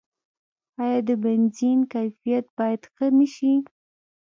آیا د بنزین کیفیت باید ښه نشي؟